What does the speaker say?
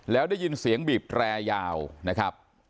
แล้วได้ยินเสียงบีบแรยาวนะครับ